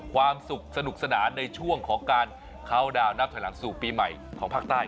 ความสุขสนุกสนานในช่วงของการเข้าดาวนนับถอยหลังสู่ปีใหม่ของภาคใต้